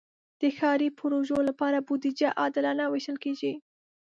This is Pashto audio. د ښاري پروژو لپاره بودیجه عادلانه ویشل کېږي.